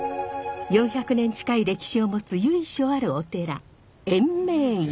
４００年近い歴史を持つ由緒あるお寺延命院。